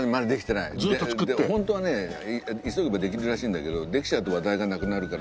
ホントはね急げばできるらしいんだけどできちゃうと話題がなくなるから。